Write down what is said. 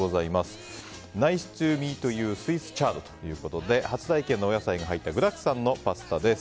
Ｎｉｃｅｔｏｍｅｅｔｙｏｕスイスチャードということで初体験のお野菜が入った具だくさんのパスタです。